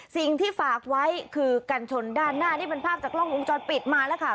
สิ่งที่ฝากไว้คือกันชนด้านหน้านี่เป็นภาพจากกล้องวงจรปิดมาแล้วค่ะ